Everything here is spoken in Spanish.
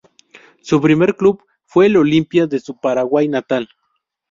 Su primer club fue el Olimpia de su Paraguay natal.